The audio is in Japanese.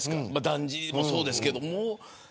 だんじりもそうですけど。